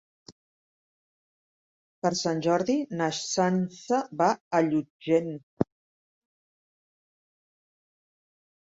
Per Sant Jordi na Sança va a Llutxent.